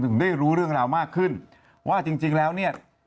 ได้รู้เรื่องราวมากขึ้นว่าจริงแล้วเนี่ย